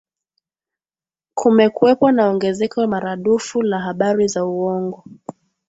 kumekuwepo na ongezeko maradufu la habari za uwongo